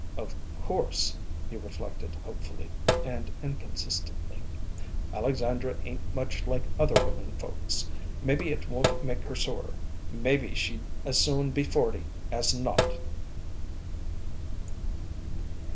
"Of course," he reflected hopefully and inconsistently, "Alexandra ain't much like other women folks. Maybe it won't make her sore. Maybe she'd as soon be forty as not!"